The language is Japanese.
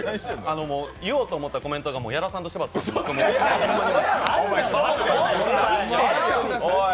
言おうと思ったコメントが、矢田さんと柴田さんに。